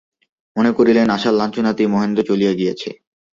মনে করিলেন, আশার লাঞ্ছনাতেই মহেন্দ্র চলিয়া গেছে।